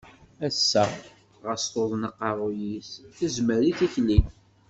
Ass-a, ɣas tuḍen aqeṛṛu-s, tezmer i tikli.